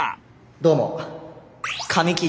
どうも。